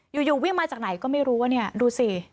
อยู่วิ่งมาจากไหนก็ไม่รู้ว่าเนี่ยดูสิ